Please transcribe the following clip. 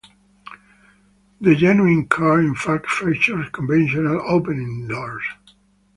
The genuine car in fact features conventional opening doors.